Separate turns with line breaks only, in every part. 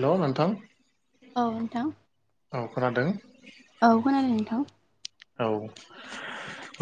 हेल' नोंथां?
औ नोंथां
औ खोनादों।
औ खोनादों नोंथां।
औ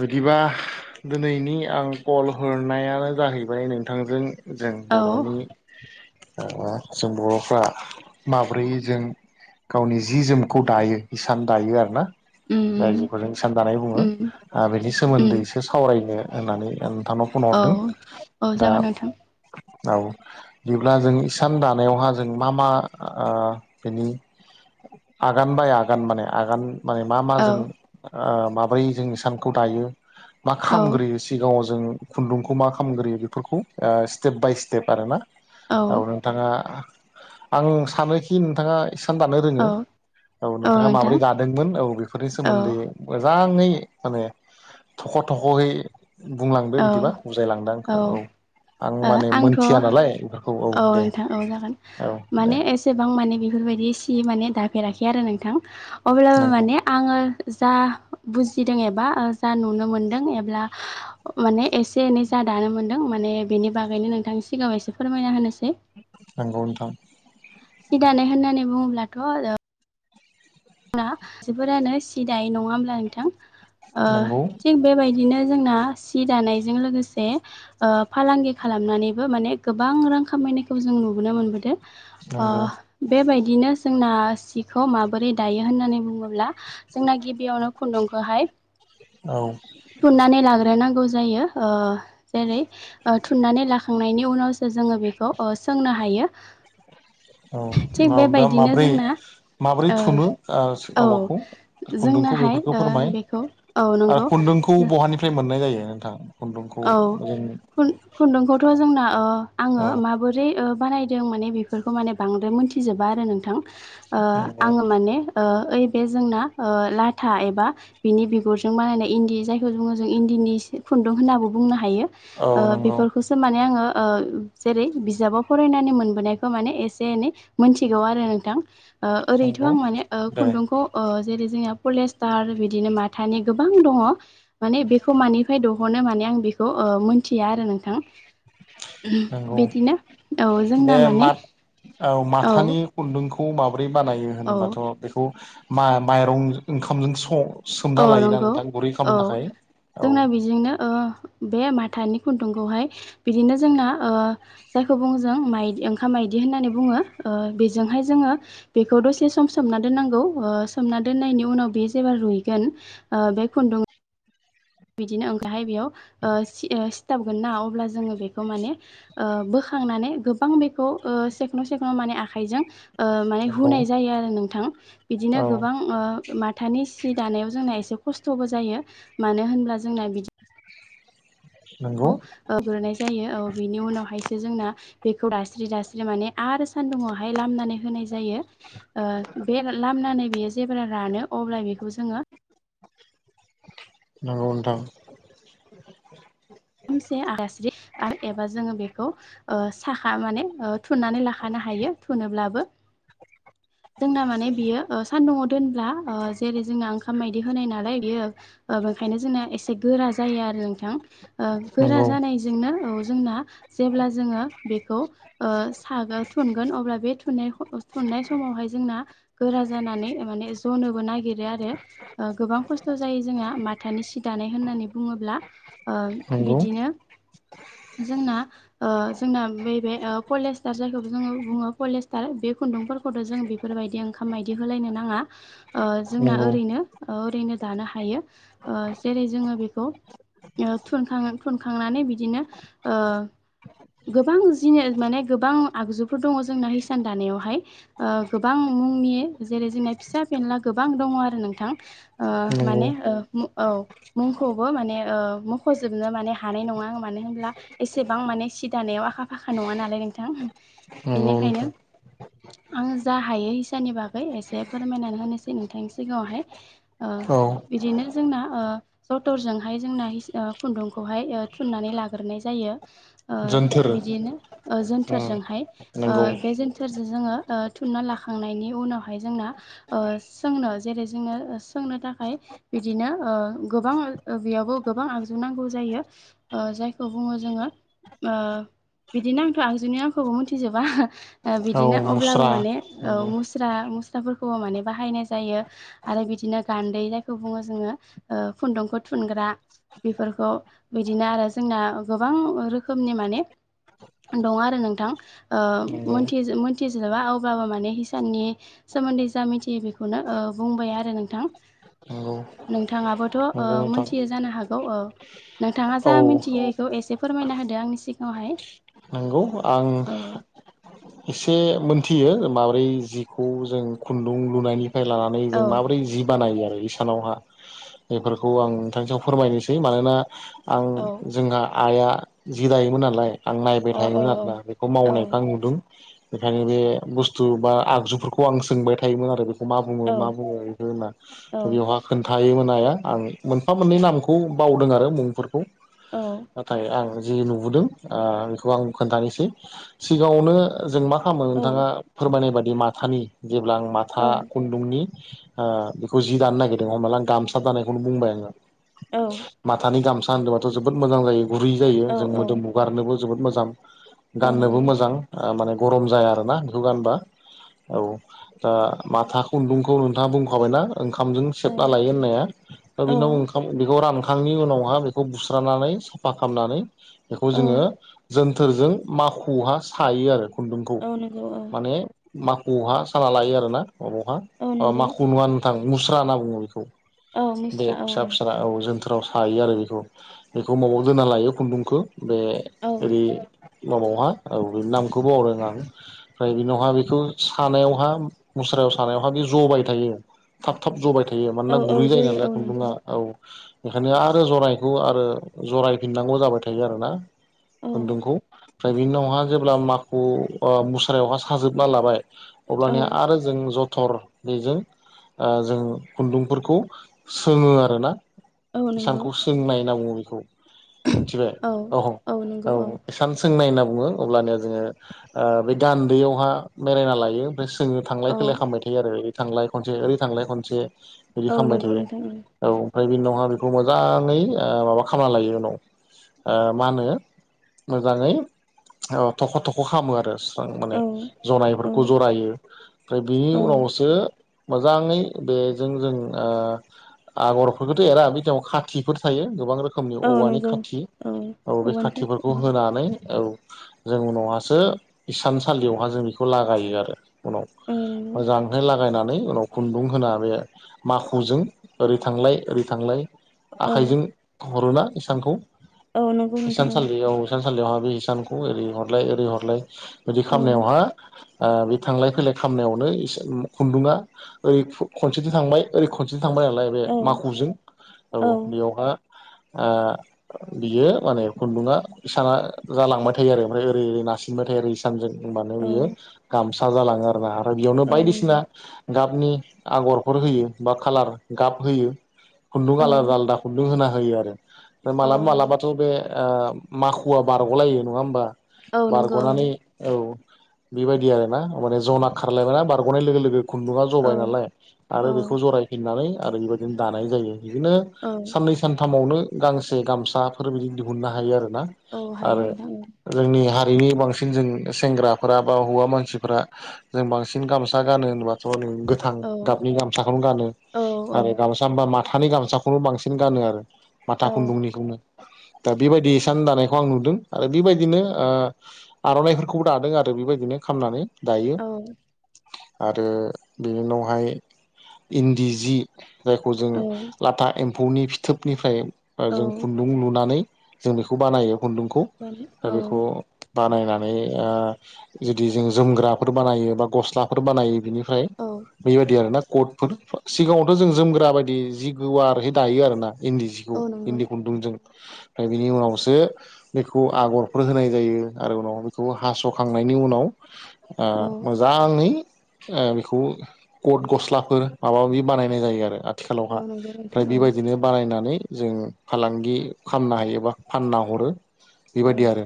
बिदिबा दिनैनि आं कल हरनायानो जाहैबाय नोंथांजों जों
औ
बर'नि ओ जों बर'फ्रा माब्रै जों गावनि जि जोमखौ दायो इसान दायो आरो ना जाय
उम
खौ जों इसान दानाय बुङो
उम
ओ बेनि सोमोन्दै
उम
एसे सावरायनो होननानै आं नोंथांनो फन
औ
हरदों
औ
दा
जागोन नोंथां
औ। बिदिब्ला जों इसान दानायावहा जों मा मा ओ बिनि आगान बाय आगान माने आगान माने मा मा
औ
जों ओ माब्रै जों इसानखौ दायो मा
औ
खालामग्रोयो सिगाङाव जों खुन्दुंखौ मा खालामग्रोयो बेफोरखौ ओ स्टेप बाय स्टेप आरो ना। औ नोंथाङा आं सानोखि नोंथाङा इसान दानो रोङो।
औ
औ, नोंथाङा माबोरै दादोंमोन औ बेफोरनि
औ
सोमोन्दै मोजाङै माने थख' थख'यै बुंलांदो
औ
बिदिबा बुजायलांदो आंखौ औ। आं
ओ
माने
आंथ' औ
मोनथिया नालाय बेफोरखौ औ दे
नोंथां औ जागोन।
औ दे
माने एसेबां माने बे बेफोरबायदि सि माने दाफेराखै आरो नोंथां। अब्लाबो
नंगौ
माने आङो जा बुजिदों एबा ओ जा नुनो मोनदों एब्ला माने एसे एनै जा दानो मोन्दों माने बेनि बागैनो नोंथांनि सिगाङाव एसे फोरमायना होनो
नंगौ नोंथां।
सि दानो होननानै बुङोब्लाथ' ओ आंना जोबोरानो सिदायो नङा होमब्ला नोंथां? ओ
नंगौ
थिग बेबायदिनो जोंना सि दानायजों लोगोसे ओ फालांगि खालामनानैबो माने गोबां रां खामाय बेखिनिखौ जों नुबोनो मोनबोदों।
नंगौ
ओह बेबायदिनो जोंना सिखौ माबोरै दायो होननानै बुङोब्ला जोंना गिबियावनो खुन्दुंखौहाय
औ
थुननानै लाग्रोनांगौ जायो। ओ जेरै ओ थुननानै लाखांनायनि उनावसो जोङो बेखौ ओ सोंनो हायो।
औ
थिग
माबा
बेबायदिनो
माब्रै
जोंना
माबोरै
ओ
थुनो ओ
औ
माबाखौ खुन्दुंखौ
जोंनाहाय
बेफोरखौ
ओ
फोरमाय
बेखौ औ
ओ
नंगौ
खुन्दुंखौ बहानिफ्राय मोननाय जायो नोंथां? खुन्दुंखौ
औ
जों
खुन खुन्दुंखौथ' जोंना ओ आङो
औ
माबोरै ओ बानायदों माने बेफोरखौ माने बांद्राय मोनथिजोबा आरो नोंथां ओ
नंगौ
आङो माने ओ ओइ बे जोंना ओ लाथा एबा बिनि बिगुरजों बानायनाय इन्दि जायखौ बुङो जों इन्दिनि सि खुन्दुं होनाबो बुंनो हायो।
औ
ओ
नंगौ
बेफोरखौसो माने आङो ओ जेरै बिजाबाव फरायनानै मोनबोनायखौ माने एसे एनै मोनथिगौ आरो नोंथां। ओ ओरैथ'
नंगौ
आं माने ओ
दे
खुन्दुंखौ ओ जेरै जोंना पलेस्टार बिदिनो माथानि गोबां दङ' माने बेखौ मानिफ्राय दहनो माने आं बेखौ ओ मोनथिया आरो नोंथां।
नंगौ
बेदिनो औ
बे
जोंना
मा
माने
औ माथानि खुन्दुं खौ माब्रै बानायो
औ
होनोबाथ' बेखौ मा माइरं ओंखामजों स
औ नंगौ औ,
औ
जोंना बेजोंनो ओ बे माथानि खुन्दुंखौहाय बिदिनो जोंना ओ जायखौ बुङो जों माइ ओंखाम माइदि होननानै बुङो ओ बेजोंहाय जोङो बे दसे सम सोमना दोननांगौ। ओ सोमना दोननायनि उनाव बे जेब्ला रुइगोन ओ बे खुन्दुं बिदिनो ओंखहाय बेयाव ओ सि सिथाबगोन ना अब्ला जोङो बेखौ माने ओ बो खांनानै गोबां बेखौ ओ सेख्न' सेख्न' माने आखाइजों ओ माने
नंगौ
हुनाय जायो आरो नोंथां।
औ
बिदिनो गोबां ओ माथानि सि दानायाव जोंना एसे खस्थ'बो जायो। मानो होनब्ला जोंना बिदि
नंगौ
खौ ओ [unintelligible] जायो औ बेनि उनावहायसो जोंना बेखौ दास्रि दास्रि माने आरो सान्दुंङावहाय लामनानै होनाय जानो। ओ बे लामनानै बेयो जेब्ला रानो अब्ला बेखौ जोङो
नंगौ नोंथां।
सामसे आस्रि आरो एबा जोङो बेखौ ओ साखा माने ओ थुननानै लाखानो हायो थुनोब्लाबो जोंना माने बियो ओ सान्दुंआव दोनब्ला ओ जेरै जोंना ओंखाम मायदि होनाय नालाय बेयो ओ ओंखायनो जोंना एसे गोरा जायो आ रो नोंथां। ओ गोरा
नंगौ
जानायजोंनो औ जोंना जेब्ला जोङो बेखौ ओ सागोन थुनगोन बे थुननाय ओ थुननाय स समावहाय जोंना गोरा जानानै माने जनोबो नागिरो आरो गोबां ओ खस्थ' जायो जों हा माथानि सि दानाय होननानै बुङोब्ला। ओ
नंगौ
बिदिनो जोंना ओ जोंना बेै बे पलेस्टार जायखौ जोङो बुङो पलेस्टार बे खुन्दुंफोरखौ खौथ'जों बेफोरबायदि ओंखाम बायदि होलायनो नाङा ओ जोंना
नंगौ
ओरैनो ओ ओरैनो दानो हायो हायो जेरै जोङो बेखौ ओ थुनखां थुनखांनानै बिदिनो ओ गोबां जिनि माने गोबां आगजुफोर दङ जोंना हिसान दानायावहाय ओ गोबां मुंनि जेरै जोंना फिसा फेनला गोबां दङ आरो नोंथां
नंगौ
माने ओ औ मुंखौबो ओ माने ओ मखजोबनो माने हानाय नङा आं मानो होनब्ला एसे एसेबां माने सि दानायाव आखा फाखा नङा नालाय नोंथां
नंगौ
बेनिखायनो
नोंथां
आङो जा हायो हासाननि बागै एसे फोरमायनानै होनोसै नोंथांनि सिगाङावहाय
औ
बिदिनो जोंना ओ जटरजोंहाय जोंना हिसान ओ‌ खुन्दुंखौहाय थुननानै लाग्रोनाय जायो जायो
जोन्थोर
ओ जोनथोरजोंहाय बे जोनथोरजों जोङो ओ थुनना लाखांनायनि उनावहाय जोंना सोंनो जेरै जोङो सोंनो थाखाय बिदिनो ओ गोबां बेयावबो गोबां आगजु नांगौ जायो जायखौ बुङो जों ङो‌ ओ‌‌ बिदिनो‌ आंथ‌‌' आगजुनि‌ नामखौबो मिथिजोबा‌ ओ‌ बिदिनो
औ
अब्लाबो
मुस्रा
माने औ
नंगौ
मुस्रा मुस अ फोरखौबो माने बाहायनाय जायो आरो बिदिनो गान्दै जायखौ बुङो जोङो‌ ओ खुन्दुंखौ थुन थुनग्रा बेफोरखौ बिदिनो आरो जोंना गोबां रोखोमनि माने दं आरो नोंथां ओ
नंगौ
मोनथिजो ओ मोनथि मोनथिजोबा अब्लाबो माने हिसाननि सोमोन्दै जा मिथियो बेखौनो ओ बुंबाय आरो नोंथां
नंगौ
नोंथाङाबोथ' ओ
नंगौ नोंथां
मोनथियो जानो हागौ ओ नोंथाङा
औ
जा मिनथियो बेखौ एसे फोरमायना होदो आंनि सिगाङावहाय
औ आं
औ
एसे मोनथियो माब्रै जिखौ जों खुन्दुं लुनायनि फाय लानानै
औ
जों माबोरै जि बानायो आरो सानावहा बेफोरखौ आं नोंथांनिसायाव फोरमायनोसै मानोना आं
औ
जोंहा आइआ जि दायोमोन नालाय आं नायबाय
अ औ
थायोमोन आरोना बेखौ
औ
मावनायखौ आं नुदों बेखायनो बे बुस्थु बा आगजुफोरखौ आं सोंबाय थायोमोन आरो बे मा बुङो
औ
मा बुङो इखो होनना
औ
इयावहा नोंथां थायोमोन हाया आं मोनफा मोननै नामखौ बावदों आरो मुंफोरखौ
औ
नाथाय आंङो जि नुबोदों आ बेखौ आं खोन्थानोसै सिगाङावनो जों मा खालामो
औ
नोंथाङा फोरमायनाय बादि माथानि जेब्ला आं
औ
माथा खुन्दुंनि ओ बेखौ जि दानो नागिरदों हमनाला आं गामसा दानायखौनो बुंबाय आङो माथानि गामसा होनदोबाथ जोबोद मोजां जायो गुरै जायो
औ
जों
औ
मोदोम हुगारनोबो जोबोद मोजां
औ
गाननोबो
नंगौ
मोजां माने ओ गरम जाया आरोना बेखौ गानबा औ दा माथा खुन्दुंखौ नोंथाङा बुंखाबायना ओंखामजों
औ
सेबना लायो होननाया दा
औ
बेनाव ओंखाम बेखौ ओंखाम खांनि उनावहा बेखौ बुस्रानानै साफा खामनानै बेखौ
औ
जोङो बोथोरजों माखुहा सायो आरो खुन्दुंखौ
औ नंगौ औ
माने माखुवहा साना लायो आरो ना अबावहा
औ नंगौ
माखु नङा नोंथां मुस्रा होनना बुङो बेखौ
औ
बे
मुस्रा औ
फिसा फिसा औ जोन्थो थोराव सायो आरो बेखौ बेखौ मबाव दोनना लायो खुन्दुंखो बे
औ
ओरै [unintelligible] औ बे नामखौ बावदों आं ओमफ्राय बिनावहा बेखौ सानायावहा मुस्रायाव सानायावहा बे जबाय थायो थाब थाब जबाय थायो
औ
मानोना
औ
गुरै जायो
जयो
नालाय
औ
खुन्दुआ
नोंथां
औ बेखायनो आरो जराइखौ आरो जरायफिननांगौ जाबाय थायो आरोना
औ
खुन्दुंखौ ओमफ्राय बि उनावहा जेब्ला माखखौ मुस्रायावहा साजोबना लाबाय
औ
अब्लानि आरो जों ज थर बेजों ओ जों खुन्दुंफोरखौ सोङो आरोना
औ नंगौ
हिसानखौ सोंनाय होनना बुङो बेखौ मिथिबाय औ औ हिसान सोंनाय होनना बुङो अब्लानिया जोङो ओ बे गान्दैयावहा मेरायना लायो ओमफ्राय जोङो थांलाय
औ
फैलाय खालामबाय थायो आरो ओरै थांलाय खनसे ओरै थांलाय खनसे बिदि
औ
खालामबाय
नंगौ
थायो
नोंथां
औ ओमफ्राय बिनि उनावहा बेखौ मोजाङै ओ माबा खालामना लायो उनाव ओ मा होनो मोजाङै थख' थख' खालामो आरो माने
औ औ
जनायफोरखौ जरायो ओमफ्राय बिनि
औ
उनावसो मोजाङै बेजों जों ओ आगरफोरखौथ' एरा बिव खाथिफोर थायो गोबां रोखोम रोखोमनि
औ
औवानि
नंगौ
खाथि औ बे
औवानि खाथि
खाथिफोरखौ
औ
होनानै औ जों उनावहासो इसानसालियावहा जों बेखौ लागायो आरो उनाव
औ नंगौ
मोजांहै लागायनान उनाव खुन्दुं होना बे माखुजों ओरै थांलाय ओरै थांलाय
औ
आखाइजों हरोना इसानखौ
औ नंगौ
इसान
नोंथां
सालियाव थानसालियावहा बे हिसानखौ ओरै हरलाय ओरै हरलाय बिदि
औ
खालामनायावहा ओ बे थांलाय फैलाय खामनायावनो इस खुन्दुङा ओरै खनसेथि थांबाय ओरै खनसे थांबाय नालाय बे
औ
माखुजों औ बेयावहा ओ बियो माने खुन्दुङा इसाना जालांबाय था [unintelligible] ओफ्राय ओरै नासिनबाय थायो सानजों माने
औ
बेयो गामसा जालाङो आरो ना बेयावनो
औ नंगौ
बायदिसिना गाबनि आगरफोर होयो बा कालार गाब होयो खुन्दुं
औ
आलादा आलादा खुन्दुं होना होयो आरो
औ
मालाबा
नंगौ
मालाबाथ' बे ओ माखुवा बारग'लायो नङा होमबा
औ नंगौ
बारग'नानै औ बेबायदि आरो ना माने जना खारलायबाय ना बारग'नाय लोगो लोगो खुन्दुङा जबाय
औ
नालाय आरो
औ
बेखौ जरायफिननानै आरो बेबायदिनो दानाय जायो। बिदिनो
औ
साननै सानथामावनो गांसे गामसाफोर बिदि दिहुननो हायो आरो ना
औ हायो
आरो
नोंथां
जोंनि हारिनि बांसिन जों सेंग्राफोरा बा हौवा मानसिफोरा जों बांसिन गामसा गानो [unintelligible] गोथां
औ
गाबनि गामसाखौनो गानो
औ औ
आरो गामसा होनबा मा माथानि गामसाखौनो बांसिन गानो आरो माथा
औ
खुन्दुंनिखौनो दा बेबायदिसान दानायखौ आं नुदों आरो बेबायद बिदिनो ओ आर'नाइफोरखौबो दादों आरो बेबायदिनो खालामनानै दायो।
औ
आरो बेनि उनावहाय इन्दि जि जायखौ जोंङो
औ
लाथा एम्फौनि फिथोबनिफ्राय
औ
जों खुन्दुं लुनानै जों बेखौ बानायो खुन्दुंखौ
मानो
दा
औ
बेखौ बानायनानै ओ जुदि जों जोमग्राफोर बानायो बा गस्लाफोर बानायो बिनि ओमफ्राय
औ
बेबायदि आरोना कटफोर सिगाङावथ' जों जोमग्रा बायदि जि गुवारहै दायो आर ना इन्दि
औ
जिखौ
नंगौ
इन्दि खन्दुं जों ओमफ्राय बिनि उनावसो बेखौ आगर फोर होनाय जायो आरो उनाव बेखौ हास'खांनायनि उनाव ओ
औ
मोजाङै ओ बेखौ कट गस्लाफोर माबा माबि बानायनाय जायो आरो आ
औ
आथिखालावहा
नंगौ
ओमफ्राय
नोंथां औ
बेबायदिनो बानायनानै जों फालांगि खालामनो हायोबा फानना हरो
औ
बेबायदि आरो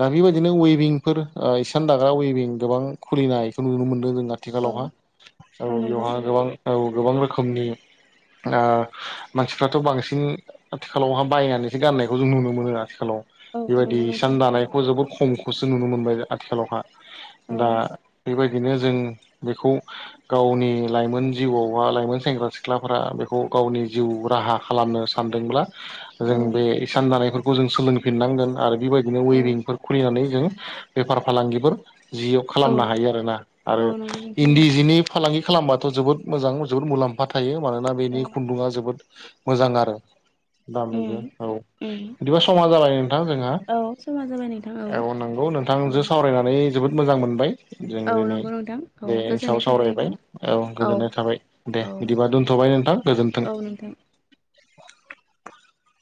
दा बेबायदिनो उइभिंफोर इसान दाग्रा उइभिं गोबां खुलिनायखौ नुनो मोनदों जों
औ
आथिखालावहा औ बेवहा गोबां औ गोबां रोखोमनि ओ मानसिफ्राथ' बांसिन आथिखालावहा बायनानैसो गाननायखौ जों नुनो मोनो आथिखालाव
औ नंगौ नोंथां
हिसान दानायखौ जोबोद खमखौसो नुनो मोनबाय आथिखालावहा
औ
दा बेबायदि बिनो जों बेखौ गावनि लाइमोन जिउआव बा लाइमोन सेंग्रा सिख्लाफोरा बेखौ गावनि जिउ राहा खालामनो सानदोंब्ला।
औ
जों बे इसान जानायफोरखौ जों सोलोंफिननांगोन आरो बेबाय दिनो
औ
अइबिंफोर खुलिनानै जों बेफार फालांगिफोर। जियाव
औ
खालामनो हायो आरो ना आरो
औ नंगौ नोंथां औ
इन्दि जिनि फालांगि। खालामबाथ' जोबोद मोजां जोबोद मुलाम्फा थायो मानोना बेनि
औ
खुन्दुङा जोबोद मोजां आरो। दामिबो
उम
औ
उम
बिदिबा समा जाबाय नोंथां जोंहा।
औ समा जाबाय नोंथां
औ नंगौ
औ
नोंथांजो सावरायनानै जोबोद मोजां मोनबाय। जों
औ
दिनै
नंगौ नोंथां औ
बेनि
गोजोननाय
सायाव
थाबाय
सावरायबाय
नोंथां
औ गोजोननाय थाबाय दे
औ
बिदिबा दोन्थ'बाय। नोंथां गोजोन्थों।
औ नोंथां